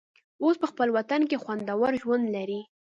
اوس په خپل وطن کې خوندور ژوند لري.